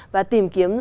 và tìm kiếm